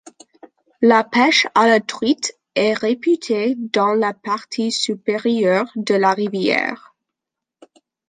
La pèche à la truite est réputée dans la partie supérieure de la rivière.